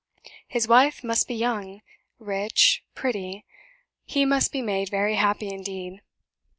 His wife must be young, rich, pretty; he must be made very happy indeed.